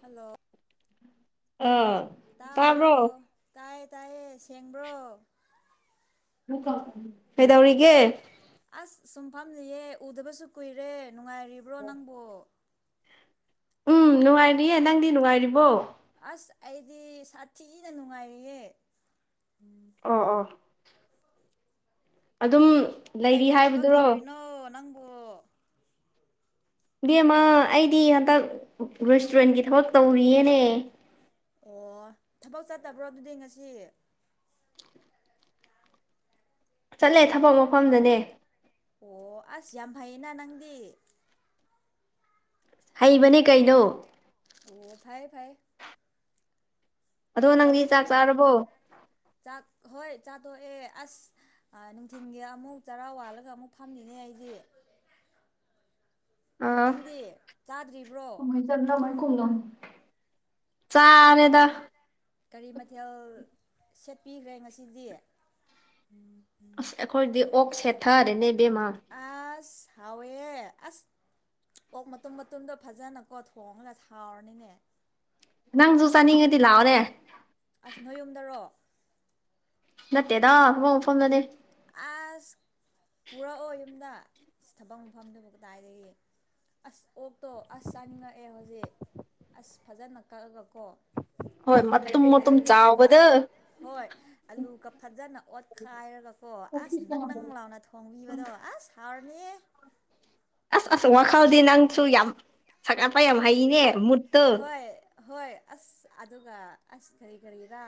Hello ꯑꯥ ꯇꯥꯕ꯭ꯔꯣ ꯇꯥꯏꯌꯦ ꯇꯥꯏꯌꯦ ꯁꯦꯡꯕ꯭ꯔꯣ ꯀꯩꯗꯧꯔꯤꯒꯦ ꯑꯁ ꯁꯨꯝ ꯐꯝꯂꯤꯌꯦ ꯎꯗꯕꯁꯨ ꯀꯨꯏꯔꯦ ꯅꯨꯡꯉꯥꯏꯔꯤꯕ꯭ꯔꯣ ꯅꯪꯕꯣ ꯎꯝ ꯅꯨꯡꯉꯥꯏꯔꯤꯌꯦ ꯅꯪꯗꯤ ꯅꯨꯡꯉꯥꯏꯔꯤꯕꯣ ꯑꯁ ꯑꯩꯗꯤ ꯁꯥꯊꯤꯅ ꯅꯨꯡꯉꯥꯏꯔꯤꯌꯦ ꯑꯣ ꯎꯝ ꯑꯣ ꯑꯗꯨꯝ ꯂꯩꯔꯤ ꯀꯩꯀꯩ ꯊꯕꯛ ꯍꯥꯏꯕꯗꯨꯔꯣ ꯇꯧꯔꯤꯅꯣ ꯅꯪꯕꯨ ꯏꯕꯦꯝꯃ ꯑꯩꯗꯤ ꯍꯟꯇꯛ ꯔꯦꯁꯇꯨꯔꯦꯟꯒꯤ ꯊꯕꯛ ꯇꯧꯔꯤꯌꯦꯅꯦ ꯑꯣ ꯊꯕꯛ ꯆꯠꯇꯕ꯭ꯔꯣ ꯑꯗꯨꯗꯤ ꯉꯁꯤ ꯆꯠꯂꯦ ꯊꯕꯛ ꯃꯐꯝꯗꯅꯦ꯫ ꯑꯣ ꯑꯁ ꯌꯥꯝ ꯐꯩꯌꯦꯅ ꯅꯪꯗꯤ꯫ ꯍꯩꯕꯅꯦ ꯀꯩꯅꯣ꯫ ꯑꯣ ꯐꯥꯌꯦ ꯐꯥꯌꯦ꯫ ꯑꯗꯣ ꯅꯪꯗꯤ ꯆꯥꯛ ꯇꯧꯒꯗꯕꯅꯦ ꯆꯥꯔꯕꯣ ꯆꯥꯛ ꯍꯣꯏ ꯆꯥꯗꯣꯛꯑꯦ ꯑꯁ꯫ ꯑ ꯅꯨꯡꯊꯤꯟꯒꯤ ꯑꯃꯨꯛ ꯆꯔꯥ ꯋꯥꯜꯂꯒ ꯑꯃꯨꯛ ꯐꯝꯃꯤꯅꯦ ꯑꯩꯗꯤ꯫ [unintelligible] ꯅꯪꯗꯤ ꯆꯥꯗ꯭ꯔꯤꯕ꯭ꯔꯣ꯫ ꯅꯃꯣꯏ ꯈꯨꯝ ꯆꯥꯔꯦꯗ꯫ ꯀꯔꯤ ꯃꯊꯦꯜ ꯁꯦꯠꯄꯤꯈ꯭ꯔꯦ ꯉꯁꯤꯗꯤ ꯎꯝ꯫ ꯑꯁ ꯑꯩꯈꯣꯏꯗꯤ ꯑꯣꯛ ꯁꯦꯠꯊꯔꯦꯅꯦ ꯏꯕꯦꯝꯃꯥ꯫ ꯑꯁ ꯍꯥꯎꯋꯦꯍꯦ ꯑꯁ ꯑꯣꯛ ꯃꯇꯨꯝ ꯃꯇꯨꯝꯗꯣ ꯐꯖꯅꯀꯣ ꯊꯣꯡꯂꯒ ꯁꯥꯎꯔꯅꯤꯅꯦ ꯅꯪꯁꯨ ꯆꯥꯅꯤꯡꯉꯗꯤ ꯂꯥꯛꯑꯣꯅꯦ ꯑꯁ ꯅꯣꯏ ꯌꯨꯝꯗꯔꯣ ꯅꯠꯇꯦꯗ ꯊꯕꯛ ꯃꯐꯝꯗꯅꯦ ꯑꯁ ꯄꯨꯔꯛꯑꯣ ꯌꯨꯝꯗ ꯊꯕꯛ ꯃꯐꯝꯗꯕꯨ ꯀꯗꯥꯏꯗꯒꯤ ꯑꯁ ꯑꯣꯛꯇꯣ ꯑꯁ ꯆꯥꯅꯤꯡꯉꯛꯑꯦ ꯍꯧꯖꯤꯛ ꯑꯁ ꯐꯖꯅ ꯀꯛꯑꯒ ꯀꯣ ꯍꯣꯏ ꯃ ꯑꯂꯨꯒ ꯍꯣꯏ ꯑꯂꯨꯒ ꯐꯖꯅ ꯑꯣꯠꯈꯥꯏꯔꯒ ꯑꯣ ꯑꯁ ꯅꯪ ꯅꯪ ꯂꯥꯎꯅ ꯊꯣꯡꯕꯤꯕꯗꯣ ꯑꯁ ꯍꯥꯎꯔꯅꯤꯌꯦ ꯑꯁ ꯑꯁ ꯋꯥꯈꯜꯗꯤ ꯅꯪꯁꯨ ꯌꯥꯝ ꯁꯛꯠꯄ ꯌꯥꯝ ꯍꯩꯅꯦ ꯃꯨꯠ ꯍꯣꯏ ꯍꯣꯏ ꯑꯁ ꯑꯗꯨꯒ ꯑꯁ ꯀꯔꯤ ꯀꯔꯤꯔ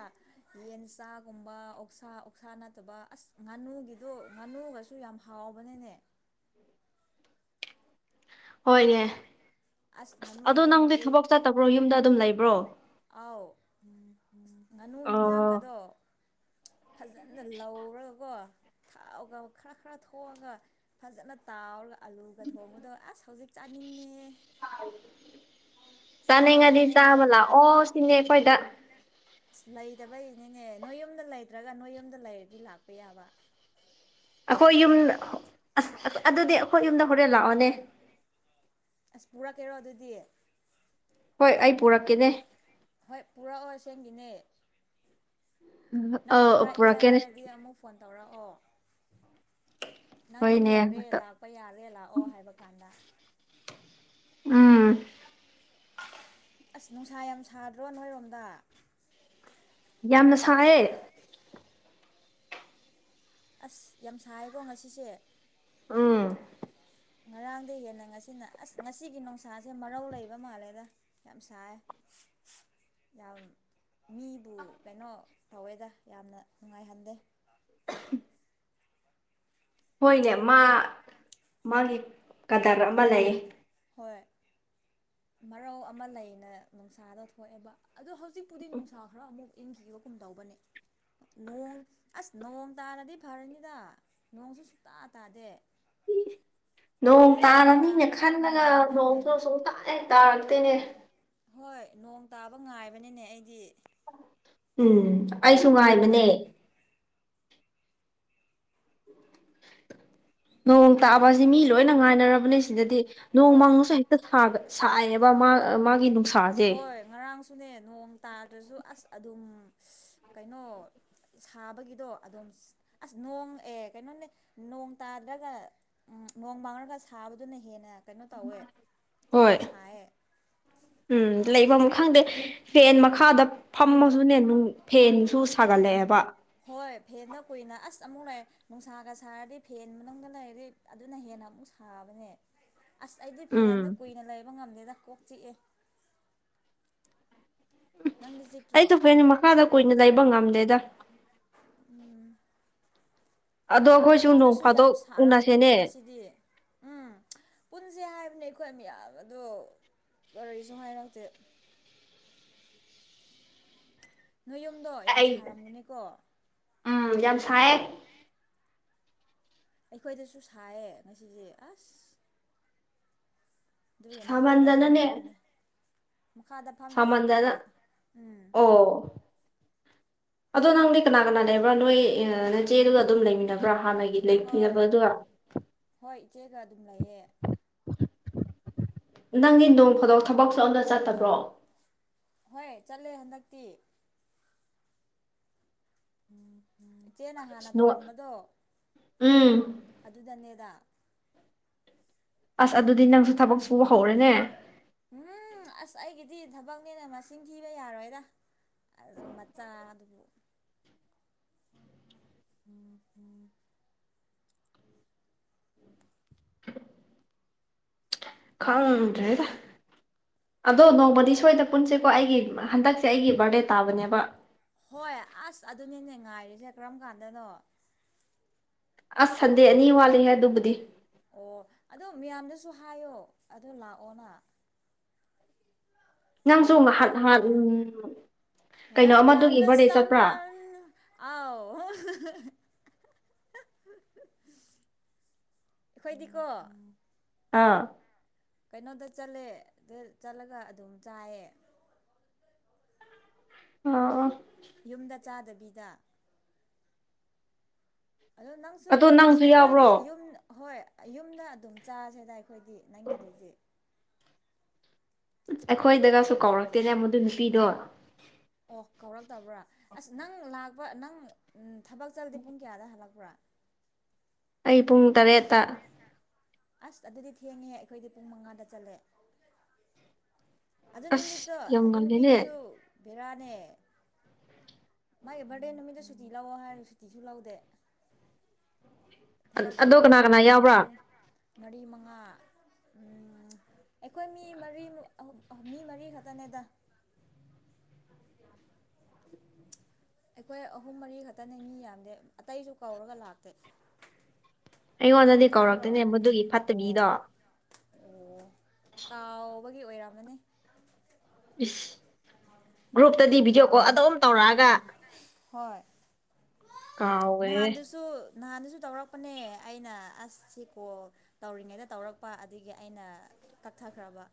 ꯌꯦꯟ ꯆꯥꯒꯨꯝꯕ ꯑꯣꯛꯁꯥ ꯑꯣꯛꯁꯥ ꯅꯠꯇꯕ ꯑꯁ ꯉꯥꯅꯨꯒꯤꯗꯣ ꯉꯥꯅꯨꯒꯁꯨ ꯌꯥꯝ ꯍꯥꯎꯕꯅꯤꯅꯦ ꯍꯣꯏꯅꯦ ꯑꯁ ꯑꯗꯣ ꯉꯥꯅꯨꯒꯗꯣ ꯅꯪꯗꯤ ꯍꯧꯖꯤꯛ ꯊꯕꯛ ꯆꯠꯇꯕ꯭ꯔꯣ ꯌꯨꯝꯗ ꯑꯗꯨꯝ ꯂꯩꯕ꯭ꯔꯣ ꯑꯥꯎ ꯎ ꯉꯥꯅꯨ ꯑꯣ ꯍꯤꯟꯖꯥꯡꯒꯗꯣ꯫ ꯐꯖꯅ ꯂꯧꯔꯒꯀꯣ꯫ ꯊꯥꯎꯒ ꯈꯔ ꯈꯔ ꯊꯣꯛꯑꯒ ꯐꯖꯅ ꯇꯥꯎꯔꯒ ꯑꯂꯨꯒ ꯊꯣꯡꯕꯗꯣ ꯑꯁ ꯍꯧꯖꯤꯛ ꯆꯥꯅꯤꯡꯉꯦ꯫ ꯆꯥꯅꯤꯡꯉꯗꯤ ꯍꯥꯎꯕꯅꯦꯅꯦ ꯆꯥꯕ ꯂꯥꯛꯑꯣ ꯁꯤꯅꯦ ꯑꯩꯈꯣꯏꯗ꯫ ꯑꯁ ꯂꯩꯇꯕꯩꯅꯤꯅꯦ ꯅꯣꯏ ꯌꯨꯝꯗ ꯂꯩꯇ꯭ꯔꯒ ꯅꯣꯏ ꯌꯨꯝꯗ ꯂꯩꯔꯗꯤ ꯂꯥꯛꯄ ꯌꯥꯕ꯫ ꯑꯩꯈꯣꯏ ꯌꯨꯝ ꯑꯁ ꯑꯗꯨꯗꯤ ꯑꯈꯣꯏ ꯌꯨꯝꯗ ꯍꯣꯔꯦꯟ ꯂꯥꯛꯑꯣꯅꯦ꯫ ꯑꯁ ꯄꯨꯔꯛꯀꯦꯔꯣ ꯑꯗꯨꯗꯤ꯫ ꯍꯣꯏ ꯑꯩ ꯄꯨꯔꯛꯀꯦꯅꯦ꯫ ꯍꯣꯏ ꯄꯨꯔꯛꯑꯣ ꯁꯦꯝꯒꯤꯅꯦ꯫ ꯑ ꯅꯪ ꯄꯨꯔꯛꯑꯦ ꯄꯨꯔꯛꯀꯦꯅꯦ ꯍꯥꯏꯔꯗꯤ ꯑꯃꯨꯛ꯫ ꯐꯣꯟ ꯇꯧꯔꯛꯑꯣ ꯅꯪ ꯌꯨꯝ ꯍꯣꯏꯅꯦ ꯌꯧꯔꯦ ꯂꯥꯛ ꯄ ꯌꯥꯔꯦ ꯂꯥꯛꯑꯣ ꯍꯥꯏꯕ ꯀꯥꯟꯗ ꯎꯝ꯫ ꯑꯁ ꯅꯨꯡꯁꯥ ꯌꯥꯝ ꯁꯥꯗ꯭ꯔꯣ ꯅꯣꯏꯔꯣꯝꯗ꯫ ꯌꯥꯝꯅ ꯁꯥꯏꯌꯦ꯫ ꯑꯁ ꯌꯥꯝ ꯁꯥꯏꯌꯦꯀꯣ ꯉꯁꯤꯁꯦ꯫ ꯎꯝ꯫ ꯉꯔꯥꯡꯗꯒꯤ ꯍꯦꯟꯅ ꯉꯁꯤꯅ ꯑꯁ ꯉꯁꯤꯒꯤ ꯅꯨꯡꯁꯥꯁꯦ ꯃꯔꯧ ꯂꯩꯕ ꯃꯥꯜꯂꯦꯗ꯫ ꯌꯥꯝ ꯁꯥꯏꯌꯦ ꯌꯥꯝ ꯃꯤꯕꯨ ꯀꯩꯅꯣ ꯇꯧꯋꯦꯗ ꯌꯥꯝꯅ ꯅꯨꯡꯉꯥꯏꯍꯟꯗꯦ꯫ [unintelligible] ꯍꯣꯏꯅꯦ ꯃꯥ ꯃꯥꯒꯤ ꯀꯗꯔ ꯑꯃ ꯂꯩꯌꯦ꯫ ꯍꯣꯏ ꯃꯔꯧ ꯑꯃ ꯂꯩꯅ ꯅꯨꯡꯁꯥꯗ ꯊꯣꯛꯑꯦꯕ ꯑꯗꯣ ꯍꯧꯖꯤꯛ ꯍꯧꯖꯤꯛꯄꯨꯗꯤ ꯅꯨꯡꯁꯥ ꯈꯔ ꯑꯃꯨꯛ ꯏꯟꯈꯤꯕ ꯒꯨꯝ ꯇꯧꯕꯅꯦ꯫ ꯅꯣꯡ ꯑꯁ ꯅꯣꯡ ꯇꯥꯔꯗꯤ ꯐꯔꯅꯤꯗ ꯅꯣꯡꯁꯨ ꯁꯨꯛꯇꯥ ꯇꯥꯗꯦ ꯅꯣꯡ ꯑꯩꯗꯤ ꯇꯥꯔꯅꯤꯅ ꯈꯟ ꯇꯥꯒꯗ꯭ꯔꯥ ꯈꯜꯂꯒ ꯉꯥꯏꯕꯅꯤꯅꯦ ꯅꯣꯡꯗꯣ ꯁꯨꯛ ꯇꯥ ꯍꯦꯛ ꯇꯥꯔꯛꯇꯦꯅꯦ ꯍꯣꯏ ꯅꯣꯡ ꯇꯥꯕ ꯉꯥꯏꯕꯅꯤꯅꯦ ꯑꯩꯗꯤ ꯎꯝ ꯑꯩꯁꯨ ꯉꯥꯏꯕꯅꯦ ꯏꯔꯨꯅꯤꯡꯉꯥꯏ ꯅꯣꯡ ꯇꯥꯕꯁꯤ ꯃꯤ ꯂꯣꯏꯅ ꯉꯥꯏꯅꯔꯕꯅꯦ ꯁꯤꯗꯗꯤ ꯍꯣꯏ ꯅꯣꯡꯃꯪꯉꯁꯨ ꯍꯦꯛꯇ ꯁꯥꯒ ꯁꯥꯏꯌꯦꯕ ꯃꯥ ꯃꯥꯒꯤ ꯅꯨꯡꯁꯥ ꯍꯣꯏ ꯉꯔꯥꯡꯁꯨꯅꯦ ꯅꯣꯡ ꯇꯥꯗ꯭ꯔꯁꯨ ꯑꯁ ꯑꯗꯨꯝ ꯀꯩꯅꯣ ꯁꯥꯕꯒꯤꯗꯣ ꯑꯗꯣꯝ ꯑꯁ ꯅꯣꯡ ꯑꯦ ꯀꯩꯅꯣꯅꯦ ꯅꯣꯡ ꯇꯥꯗ꯭ꯔꯒ ꯅꯣꯡ ꯃꯪꯔꯒ ꯁꯥꯕꯗꯨꯅ ꯍꯦꯟꯅ ꯀꯩꯅꯣ ꯇꯧꯋꯦ ꯍꯣꯏ ꯍꯦꯟꯅ ꯁꯥꯏꯌꯦ ꯎꯝ ꯂꯩꯕꯝ ꯈꯪꯗꯦ꯫ ꯐꯦꯟ ꯃꯈꯥꯗ ꯐꯝꯃꯁꯨꯅꯦꯅꯨꯡ ꯐꯦꯟꯁꯨ ꯁꯥꯒꯠꯂꯛꯑꯦꯕ꯫ ꯍꯣꯏ ꯐꯦꯟꯗ ꯀꯨꯏꯅ ꯑꯁ ꯑꯃꯨꯛ ꯂꯩꯌꯦ ꯅꯨꯡꯁꯥꯒ ꯁꯥꯔꯗꯤ ꯐꯦꯟ ꯃꯅꯨꯡꯗ ꯂꯩꯔꯗꯤ ꯑꯗꯨꯅ ꯍꯦꯟꯅ ꯑꯃꯨꯛ ꯁꯥꯕꯅꯦ ꯑꯁ ꯑꯩꯗꯤ ꯐꯦꯟꯗ ꯎꯝ ꯀꯨꯏꯅ ꯂꯩꯕ ꯉꯝꯗꯦꯗ ꯀꯣꯛ ꯆꯤꯛꯑꯦ꯫ ꯎ ꯅꯪꯗꯤ ꯆꯤꯛꯇ꯭ꯔꯣ ꯑꯩꯆꯨ ꯐꯦꯟ ꯃꯈꯥꯗ ꯀꯨꯏꯅ ꯂꯩꯕ ꯉꯝꯗꯦꯗ꯫ ꯎꯝ꯫ ꯑꯗꯣ ꯑꯁ ꯅꯣꯏ ꯑꯩꯈꯣꯏꯁꯨ ꯅꯣꯡ ꯌꯨꯝꯗꯨꯁꯨ ꯌꯥꯝ ꯐꯥꯗꯣꯛ ꯁꯥꯔꯝꯒꯅꯤ ꯎꯅꯁꯦꯅꯦ ꯉꯁꯤꯗꯤ꯫ ꯎꯝ ꯄꯨꯟꯁꯦ ꯍꯥꯏꯕꯅꯦ ꯑꯩꯈꯣꯏ ꯃꯌꯥꯝ ꯑꯗꯣ ꯀꯔꯤꯁꯨ ꯍꯥꯏꯔꯛꯇꯦ꯫ ꯅꯣꯏ ꯌꯨꯝꯗꯣ ꯌꯥꯝ ꯑꯩ ꯁꯥꯔꯝꯅꯤꯀꯣ꯫ ꯎꯝ ꯌꯥꯝꯝ ꯁꯥꯏꯌꯦ꯫ ꯑꯩꯈꯣꯏꯗꯁꯨ ꯁꯥꯏꯌꯦ ꯉꯁꯤꯁꯦ ꯑꯁ꯫ ꯑꯗꯨꯒꯤ ꯃꯈꯥꯗ ꯁꯥꯃꯟꯗꯅꯅꯦ ꯐꯝꯃꯤꯕꯅꯦ ꯃꯈꯥꯗ ꯐ ꯁꯥꯃꯟꯗꯅ ꯑꯣ ꯑꯗꯣ ꯅꯪꯗꯤ ꯀꯅꯥ ꯀꯅꯥ ꯂꯩꯕ꯭ꯔꯥ ꯅꯣꯏ ꯅꯆꯦꯗꯨꯒ ꯑꯗꯨꯝ ꯂꯩꯃꯤꯟꯅꯕ꯭ꯔꯥ ꯍꯥꯟꯅꯒꯤ ꯍꯣꯏ ꯂꯩꯃꯤꯟꯅꯕꯗꯨꯒ ꯍꯣꯏ ꯏꯆꯦꯒ ꯑꯗꯨꯝ ꯂꯩꯌꯦ ꯅꯪꯒꯤ ꯅꯣꯡ ꯐꯗꯣꯛ ꯊꯕꯛꯁꯨ ꯑꯝꯇ ꯆꯠꯇꯕ꯭ꯔꯣ ꯍꯣꯏ ꯆꯠꯂꯦ ꯍꯟꯗꯛꯇꯤ ꯏꯆꯦꯅ ꯍꯥꯟꯅ ꯅꯣ ꯇꯧꯔꯝꯕꯗꯣ ꯎꯝ ꯑꯗꯨꯗꯅꯦꯗ ꯑꯁ ꯑꯗꯨꯗꯤ ꯅꯪꯁꯨ ꯊꯕꯛ ꯁꯨꯕ ꯍꯧꯔꯦꯅꯦ ꯎꯝ ꯑꯁ ꯑꯩꯒꯤꯗꯤ ꯊꯕꯛꯅꯦꯅ ꯃꯁꯤꯡ ꯊꯤꯕ ꯌꯥꯔꯣꯏꯗ ꯑꯂꯨ ꯃꯆꯥ ꯑꯗꯨꯕꯨ [unintelligible] [unintelligible] ꯈꯪꯗ꯭ꯔꯦꯗ ꯑꯗꯣ ꯅꯣꯡꯃꯗꯤ ꯁꯣꯏꯗ ꯄꯨꯟꯁꯤꯀꯣ ꯑꯩꯒꯤ ꯍꯟꯗꯛꯁꯦ ꯑꯩꯒꯤ ꯕꯥꯔꯗꯦ ꯇꯥꯕꯅꯦꯕ ꯍꯣꯏ ꯑꯁ ꯑꯗꯨꯅꯦꯅꯦ ꯉꯥꯏꯔꯤꯁꯦ ꯀꯔꯝ ꯀꯥꯟꯗꯅꯣ ꯑꯁ ꯁꯟꯗꯦ ꯑꯅꯤ ꯋꯥꯠꯂꯤꯍꯦ ꯑꯗꯨꯕꯨꯗꯤ ꯑꯣ ꯑꯗꯣ ꯃꯌꯥꯝꯗꯁꯨ ꯍꯥꯏꯌꯣ ꯑꯗꯨ ꯂꯥꯛꯑꯣꯅ ꯅꯪꯁꯨ ꯂꯥꯛꯄ ꯉꯍꯥꯟ ꯅꯍꯥꯟ ꯌꯥꯕ꯭ꯔꯥ ꯎꯝ ꯀꯩꯅꯣ ꯑꯃꯗꯨꯒꯤ ꯍꯅꯥꯃꯦ ꯕꯥꯔꯗꯦ ꯆꯠꯄ꯭ꯔꯥ ꯁꯝꯃ ꯑꯥꯎ ꯑꯩꯈꯣꯏꯗꯤꯀꯣ ꯑꯥ ꯀꯩꯅꯣꯗ ꯆꯠꯂꯦ ꯆꯠꯂꯒ ꯑꯗꯨꯝ ꯆꯥꯏꯌꯦ ꯑꯣ ꯑꯣ ꯌꯨꯝꯗ ꯆꯥꯗꯕꯤꯗ ꯑꯗꯣ ꯅꯪꯁꯨ ꯑꯗꯣ ꯑꯁ ꯅꯪꯁꯨ ꯑꯩꯈꯣꯏꯗꯤ ꯌꯥꯎꯕ꯭ꯔꯣ ꯌꯨꯝ ꯍꯣꯏ ꯌꯨꯝꯗ ꯑꯗꯨꯝ ꯆꯥꯁꯦ ꯗꯥꯏ ꯑꯩꯈꯣꯏꯗꯤ ꯅꯪꯒꯤꯗꯨꯗꯤ ꯑꯩꯈꯣꯏꯗꯒꯁꯨ ꯀꯧꯔꯛꯇꯦꯅꯦ ꯃꯗꯨ ꯅꯨꯄꯤꯗꯣ ꯑꯣ ꯀꯧꯔꯛꯇꯕ꯭ꯔꯥ ꯑꯁ ꯅꯪ ꯂꯥꯛꯄ ꯅꯪ ꯊꯕꯛ ꯆꯠꯂꯗꯤ ꯄꯨꯡ ꯀꯌꯥꯗ ꯍꯜꯂꯛꯄ꯭ꯔꯥ ꯑꯩ ꯄꯨꯡ ꯇꯔꯦꯠꯇ ꯑꯁ ꯑꯗꯨꯗꯤ ꯊꯦꯡꯉꯦ ꯑꯩꯈꯣꯏꯗꯤ ꯄꯨꯡ ꯃꯉꯥꯗ ꯆꯠꯂꯦ ꯑꯗꯨ ꯑꯁ ꯅꯨꯃꯤꯠꯇꯣ ꯌꯥꯝ ꯑꯗꯨ ꯉꯜꯂꯦꯅꯦ ꯅꯨꯄꯤꯗꯨꯁꯨ ꯕꯦꯔꯥꯅꯦ ꯃꯥꯒꯤ ꯕꯔꯗꯦ ꯅꯨꯃꯤꯠꯇ ꯁꯨꯇꯤ ꯂꯧꯑꯣ ꯍꯥꯏꯔꯒ ꯁꯨꯇꯤꯁꯨ ꯂꯧꯗꯦ ꯊꯕꯛ ꯑꯗꯣ ꯆꯠꯂꯒ ꯀꯅꯥ ꯑꯃꯨꯛ ꯀꯅꯥ ꯍꯜꯂꯛꯑꯒ ꯌꯥꯎꯕ꯭ꯔꯥ ꯄꯨꯡ ꯃꯔꯤ ꯃꯉꯥ ꯎꯝ ꯑꯩꯈꯣꯏ ꯃꯤ ꯃꯔꯤ ꯃꯤ ꯃꯔꯤ ꯈꯛꯇꯅꯦꯗ ꯑꯩꯈꯣꯏ ꯑꯍꯨꯝ ꯃꯔꯤ ꯈꯛꯇꯅꯦ ꯃꯤ ꯌꯥꯝꯗꯦ ꯑꯇꯩꯁꯨ ꯀꯧꯔꯒ ꯂꯥꯛꯇꯦ ꯑꯩꯉꯣꯟꯗꯗꯤ ꯇꯥꯕ꯭ꯔꯣ ꯀꯧꯔꯛꯇꯦꯅꯦ ꯃꯗꯨꯒꯤ ꯑꯣ ꯐꯠꯇꯕꯤꯗꯣ ꯑꯣ ꯀꯥꯎꯕꯒꯤ ꯑꯣꯏꯔꯝꯃꯅꯤ ꯏꯁ ꯒ꯭ꯔꯨꯞꯇꯗꯤ ꯚꯤꯗꯤꯑꯣ ꯀꯣꯜ ꯑꯗꯨꯝ ꯇꯧꯔꯛꯑꯒ ꯍꯣꯏ ꯀꯥꯎꯋꯦꯍꯦ ꯅꯍꯥꯟꯗꯨꯁꯨ ꯅꯍꯥꯟꯗꯁꯨ ꯇꯧꯔꯛꯄꯅꯦ ꯑꯩꯅ ꯑꯁꯁꯤꯀꯣ ꯇꯧꯔꯤꯉꯩꯗ ꯇꯧꯔꯛꯄ ꯑꯗꯨꯒꯤ ꯑꯩꯅ ꯀꯛꯊꯈ꯭ꯔꯕ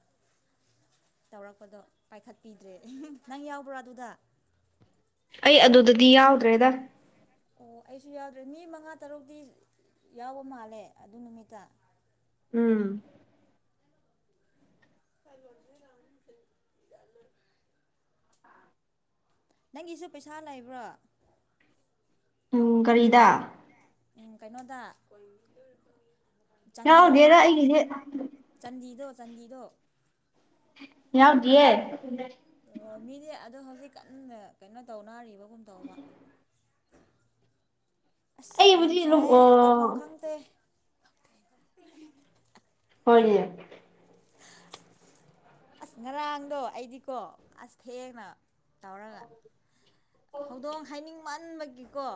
ꯇꯧꯔꯛꯄꯗꯣ ꯄꯥꯏꯈꯠꯄꯤꯗ꯭ꯔꯦ ꯅꯪ ꯌꯥꯎꯕ꯭ꯔꯣ ꯑꯗꯨꯗ ꯑꯩ ꯑꯗꯨꯗꯗꯤ ꯌꯥꯎꯗ꯭ꯔꯦꯗ ꯑꯣ ꯑꯩꯁꯨ ꯌꯥꯎꯗ꯭ꯔꯦ ꯃꯤ ꯃꯉꯥ ꯇꯔꯨꯛꯇꯤ ꯌꯥꯎꯕ ꯃꯥꯜꯂꯦ ꯑꯗꯨ ꯅꯨꯃꯤꯠꯇ ꯎꯝ [unintelligible] ꯅꯪꯒꯤꯁꯨ ꯄꯩꯁꯥ ꯂꯩꯕ꯭ꯔꯣ ꯎꯝ ꯒꯥꯔꯤꯗ ꯎꯝ ꯀꯩꯅꯣꯗ ꯆꯥꯟꯗꯤꯗꯣ ꯌꯥꯎꯗꯦꯗ ꯑꯩꯒꯤꯗꯤ ꯆꯥꯟꯗꯤꯗꯣ ꯆꯥꯟꯗꯤꯗꯣ ꯌꯥꯎꯗꯤꯑꯦ ꯑꯣ ꯃꯤꯗꯤ ꯑꯗꯣ ꯍꯧꯖꯤꯛ ꯀꯟꯅ ꯀꯩꯅꯣ ꯇꯧꯅꯔꯤꯕꯒꯨꯝ ꯇꯧꯕ ꯑꯁ ꯌꯥꯝ ꯑꯩꯕꯨꯗꯤ ꯑꯗꯨꯝ ꯁꯥꯏ ꯑꯣ ꯇꯧꯐꯝ ꯈꯪꯗꯦ ꯍꯣꯏꯅꯦ ꯑꯁ ꯉꯔꯥꯡꯗꯣ ꯑꯩꯗꯤꯀꯣ ꯑꯁ ꯊꯦꯡꯅ ꯇꯧꯔꯒ ꯍꯧꯗꯣꯡ ꯍꯥꯏꯅꯤꯡꯃꯟꯕꯒꯤꯀꯣ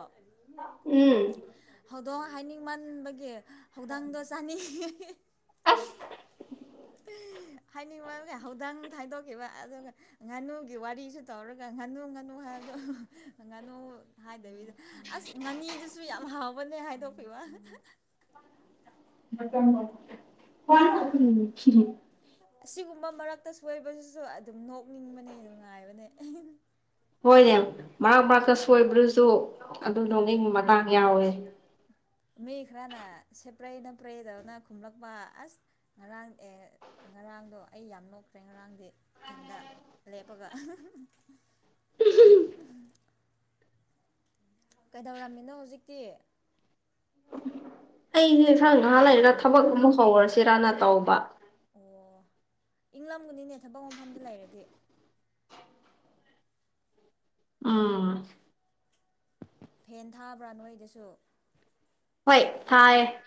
ꯎꯝ ꯍꯧꯗꯣꯡ ꯍꯥꯏꯅꯤꯡ ꯃꯕꯒꯤ ꯍꯧꯗꯪꯗꯣ ꯆꯥꯅꯤ ꯑꯁ ꯍꯥꯏꯅꯤꯡꯕꯒ ꯍꯧꯗꯪ ꯍꯥꯏꯥꯏꯗꯣꯛꯈꯤꯕ ꯑꯗꯨꯒ ꯉꯥꯅꯨꯒꯤ ꯋꯥꯔꯤꯁꯨ ꯇꯧꯔꯒ ꯉꯥꯅꯨ ꯉꯥꯅꯨ ꯍꯥꯏꯕꯗꯣ ꯉꯥꯅꯨ ꯍꯥꯏꯗꯕꯤꯗ ꯑꯁ ꯉꯥꯅꯤꯗꯨꯁꯨ ꯌꯥꯝ ꯍꯥꯎꯕꯅꯦ ꯍꯥꯏꯗꯣꯛꯄꯤꯕ [inaudible] ꯑꯁꯤꯒꯨꯝꯕ ꯃꯔꯛꯇ ꯁꯣꯏꯕꯁꯤꯁꯨ ꯑꯗꯨꯝ ꯅꯣꯛꯅꯤꯡꯕꯅꯦ ꯅꯨꯡꯉꯥꯏꯕꯅꯦ ꯍꯣꯏꯅꯦ ꯃꯔꯛ ꯃꯔꯛꯇ ꯁꯣꯏꯕꯗꯨꯁꯨ ꯑꯗꯨ ꯎꯝ ꯅꯣꯡꯅꯤꯡ ꯃꯇꯥꯡ ꯌꯥꯎꯋꯦ ꯃꯤ ꯈꯔꯅ ꯁꯦꯄ꯭ꯔꯩ ꯅꯄ꯭ꯔꯩꯗꯧꯅ ꯈꯨꯝꯂꯛꯄ ꯑꯁ ꯉꯔꯥꯡ ꯑꯦ ꯉꯔꯥꯡꯗꯣ ꯑꯩ ꯌꯥꯝ ꯅꯣꯛꯇ꯭ꯔꯦ ꯉꯔꯥꯡꯗꯤ ꯏꯊꯟꯗ ꯂꯦꯄꯒ ꯀꯩꯗꯧꯔꯝꯃꯤꯅꯣ ꯍꯧꯖꯤꯛꯇꯤ [inaudible] ꯑꯩꯁꯦ ꯏꯁꯟꯁꯥꯡ ꯅꯍꯥ ꯂꯩꯔꯒ ꯊꯕꯛ ꯑꯃ ꯍꯧꯔꯁꯤꯔꯅ ꯇꯧꯕ ꯑꯣ ꯏꯪ ꯂꯝꯒꯅꯤꯅꯦ ꯊꯕꯛ ꯃꯐꯝꯗ ꯂꯩꯔꯗꯤ ꯑꯝ ꯐꯦꯟ ꯊꯥꯕ꯭ꯔꯥ ꯅꯣꯏꯗꯁꯨ ꯍꯣꯏ ꯊꯥꯥꯏꯔꯦ [inaudible]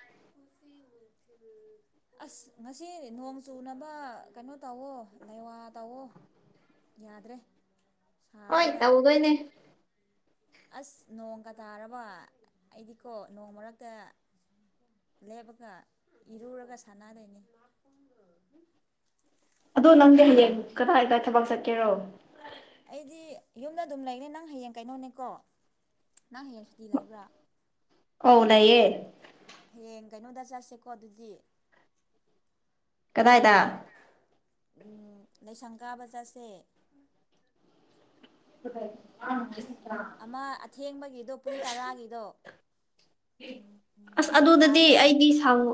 ꯑꯁ ꯉꯁꯤ ꯅꯣꯡ ꯆꯨꯅꯕ ꯀꯩꯅꯣ ꯇꯧꯋꯣ ꯂꯩꯋꯥ ꯇꯧꯋꯣ ꯌꯥꯗ꯭ꯔꯦ ꯍꯣꯏ ꯁꯥꯕꯅ ꯇꯧꯗꯣꯏꯅꯦ ꯑꯁ ꯅꯣꯡꯒ ꯇꯥꯔꯕ ꯑꯩꯗꯤꯀꯣ ꯅꯣꯡ ꯃꯔꯛꯇ ꯂꯦꯞꯄꯒ ꯏꯔꯨꯔꯒ ꯁꯥꯟꯅꯗꯣꯏꯅꯤ ꯑꯗꯣ ꯅꯪꯗꯤ ꯍꯌꯦꯡ ꯀꯗꯥꯏꯗꯥꯏ ꯊꯕꯛ ꯆꯠꯀꯦꯔꯣ ꯑꯩꯗꯤ ꯌꯨꯝꯗ ꯑꯗꯨꯝ ꯂꯩꯅꯦ ꯅꯪ ꯍꯌꯦꯡ ꯀꯩꯅꯣꯅꯦꯀꯣ ꯅꯪ ꯍꯌꯦꯡ ꯁꯨꯇꯤ ꯂꯩꯕ꯭ꯔꯥ ꯑꯧ ꯂꯩꯏꯌꯦ ꯍꯌꯦꯡ ꯀꯩꯅꯣꯗ ꯆꯠꯁꯦꯀꯣ ꯑꯗꯨꯗꯤ ꯀꯗꯥꯏꯗ ꯎꯝ ꯂꯩꯁꯪꯒꯥꯥ ꯕꯖꯥꯔꯁꯦ [inaudible] ꯑꯃ ꯑꯊꯦꯡꯕꯒꯤꯗꯣ ꯄꯨꯔꯤ ꯇꯔꯥꯒꯤꯗꯣ ꯑꯁ ꯑꯗꯨꯗꯗꯤ ꯌꯥꯕ꯭ꯔꯣ ꯑꯩꯗꯤ ꯁꯥꯡꯉꯨ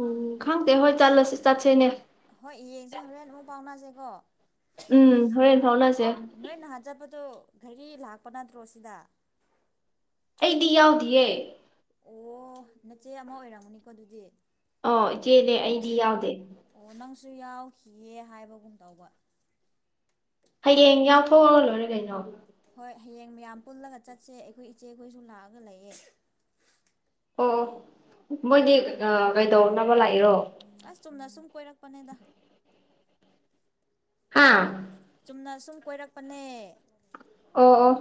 ꯎꯝ ꯈꯪꯗꯦ ꯍꯣꯏ ꯆꯠꯂꯁꯤ ꯆꯠꯁꯤꯅꯦ ꯍꯣꯏ ꯌꯦꯡꯁꯦ ꯍꯣꯔꯦꯟ ꯑꯃꯨꯛ ꯄꯥꯎꯅꯁꯦꯀꯣ ꯎꯝ ꯍꯣꯔꯦꯟ ꯐꯥꯎꯅꯁꯦ ꯅꯣꯏ ꯅꯍꯥꯟ ꯆꯠꯄꯗꯣ ꯒꯔꯤ ꯂꯥꯛꯄ ꯅꯠꯇ꯭ꯔꯣ ꯁꯤꯗ ꯑꯩꯗꯤ ꯌꯥꯎꯗꯌꯦ ꯑꯣ ꯅꯆꯦ ꯑꯃ ꯑꯣꯏꯔꯝꯃꯅꯤꯀꯣ ꯑꯗꯨꯗꯤ ꯑꯣ ꯏꯆꯦꯅꯦ ꯑꯩꯗꯤ ꯌꯥꯎꯗꯦ ꯑꯣ ꯅꯪꯁꯨ ꯌꯥꯎꯈꯤꯌꯦ ꯍꯥꯏꯕꯒꯨꯝ ꯇꯧꯕ ꯍꯌꯦꯡ ꯌꯥꯎꯊꯣꯛꯔ ꯂꯣꯏꯔꯦ ꯀꯩꯅꯣ ꯍꯣꯏ ꯍꯌꯦꯡ ꯃꯌꯥꯝ ꯄꯨꯜꯂꯒ ꯆꯠꯁꯦ ꯑꯩꯈꯣꯏ ꯏꯆꯦ ꯈꯣꯏꯁꯨ ꯂꯥꯛꯑꯒ ꯂꯩꯌꯦ ꯑꯣ ꯑꯣ ꯃꯣꯏꯗꯤ ꯀꯩꯗꯧꯅꯕ ꯂꯥꯛꯏꯔꯣ ꯑꯁ ꯆꯨꯝꯅ ꯁꯨꯝ ꯀꯣꯏꯔꯛꯄꯅꯦꯗ ꯍꯥꯥ ꯆꯨꯝꯅ ꯁꯁꯨꯝ ꯀꯣꯏꯔꯛꯄꯅꯦ ꯑꯣ ꯑꯣ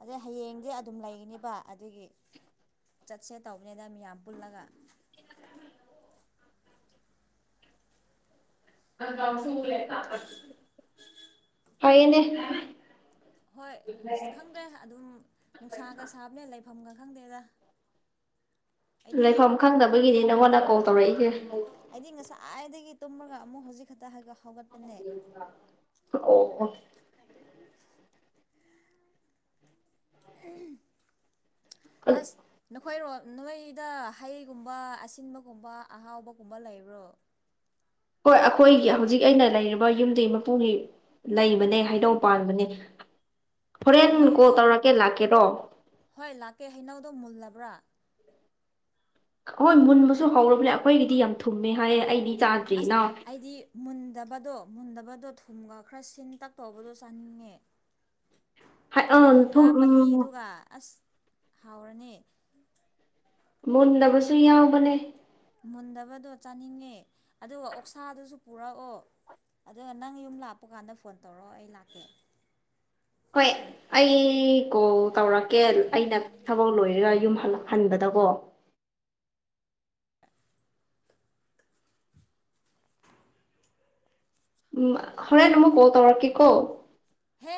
ꯑꯗꯩ ꯍꯌꯦꯡꯗꯤ ꯑꯗꯨꯝ ꯂꯩꯒꯅꯦꯕ ꯑꯗꯨꯒꯤ ꯆꯠꯁꯦ ꯇꯧꯕꯅꯤꯅ ꯃꯤꯌꯥꯝ ꯄꯨꯜꯂꯒ ꯍꯅꯦ ꯍꯣꯏ ꯑꯁ ꯈꯪꯗ꯭ꯔꯦ ꯑꯗꯨꯝ ꯅꯨꯡꯁꯥꯒ ꯁꯥꯕꯅꯦ ꯂꯩꯐꯝꯒ ꯈꯪꯗꯦꯗ ꯑꯩꯗꯤ ꯂꯩꯐꯝ ꯈꯪꯗꯕꯒꯤꯗꯤ ꯅꯪꯉꯣꯟꯗ ꯀꯣꯜ ꯇꯧꯔꯛꯏꯒꯦ ꯑꯩꯗꯤ ꯉꯁꯥꯏꯗꯒꯤ ꯇꯨꯝꯃꯒ ꯑꯃꯨꯛ ꯍꯧꯖꯤꯛ ꯈꯛꯇ ꯍꯥꯏ ꯍꯧꯒꯠꯄꯅꯦ ꯑꯣ ꯍꯥꯏ ꯑꯣ ꯑꯁ ꯑꯩꯈꯣꯏꯔꯣꯝ ꯅꯣꯏꯗ ꯍꯩꯒꯨꯝꯕ ꯑꯁꯤꯟꯕꯒꯨꯝꯕ ꯑꯍꯥꯎꯕꯒꯨꯝꯕ ꯂꯩꯕ꯭ꯔꯣ ꯍꯣꯏ ꯑꯩꯈꯣꯏꯒꯤ ꯍꯧꯖꯤꯛ ꯑꯩꯅ ꯂꯩꯔꯤꯕ ꯌꯨꯝꯗꯤ ꯃꯄꯨꯗꯤ ꯂꯩꯕꯅꯦ ꯍꯥꯏꯗꯧ ꯄꯥꯟꯕꯅꯦ ꯍꯣꯔꯦꯟ ꯀꯣꯜ ꯍꯩꯅꯧꯗꯣ ꯇꯧꯔꯛꯀꯦ ꯂꯥꯛꯀꯦꯔꯣ ꯍꯣꯏ ꯂꯥꯛꯀꯦ ꯍꯩꯅꯧꯗꯣ ꯃꯨꯜꯂꯕ꯭ꯔꯥ ꯍꯣꯏ ꯃꯨꯟꯕꯁꯨ ꯍꯧꯨꯔꯕꯅꯦ ꯑꯩꯈꯣꯏꯒꯤꯗꯤ ꯌꯥꯝ ꯊꯨꯝꯃꯦ ꯍꯥꯏꯌꯦ ꯑꯩꯗꯤ ꯆꯥꯗ꯭ꯔꯤ ꯑꯁ ꯅꯥꯎ ꯍꯥꯏꯗꯤ ꯃꯨꯟꯗꯕꯗꯣ ꯃꯨꯟꯗꯕꯗꯣ ꯊꯨꯝꯒ ꯈꯔ ꯁꯤꯟ ꯇꯛꯇꯧꯕꯗꯣ ꯆꯥꯅꯤꯡꯉꯦ ꯍꯥꯏ ꯑꯗ ꯑꯥ ꯊꯨꯝ ꯍꯪꯒꯥꯝ ꯎꯝ ꯃꯍꯤꯗꯨꯒ ꯑꯁ ꯍꯥꯎꯔꯅꯤ ꯃꯨꯟꯗꯕꯁꯨꯔꯤ ꯌꯥꯎꯕꯅꯦ ꯃꯨꯟꯗꯕꯗꯣ ꯆꯥꯅꯤꯡꯉꯦ ꯑꯗꯨꯒ ꯑꯣꯛꯁꯥꯗꯨꯁꯨ ꯄꯨꯔꯛꯑꯣ ꯑꯗꯨꯒ ꯅꯪ ꯌꯨꯝ ꯂꯥꯛꯄ ꯀꯥꯟꯗ ꯐꯣꯟ ꯇꯧꯔꯛꯑꯣ ꯑꯩ ꯂꯥꯛꯀꯦ ꯍꯣꯏ ꯑꯩ ꯀꯣꯜ ꯇꯧꯔꯛꯀꯦ ꯑꯩꯅ ꯊꯕꯛ ꯂꯣꯏꯔꯒ ꯌꯨꯝ ꯍꯜꯂꯛ ꯍꯟꯕꯗꯀꯣ ꯎ ꯍꯔꯦꯟꯅ ꯃꯨ ꯀꯣ ꯇꯧꯔꯛꯀꯤ ꯀꯣ ꯍꯦ